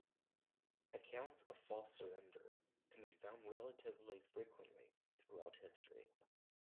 Accounts of false surrender can be found relatively frequently throughout history.